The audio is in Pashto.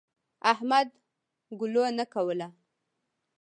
احمد ګلو نه کوله.